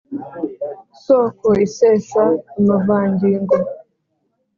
soko isesa amavangingo